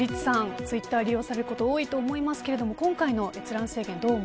ツイッター利用されることも多いと思いますけれども今回の閲覧制限